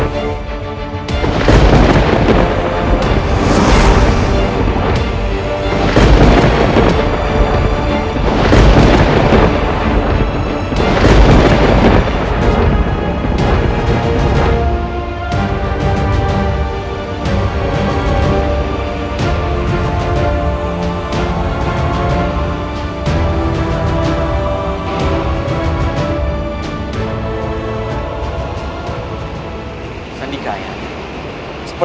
terima kasih tahanlah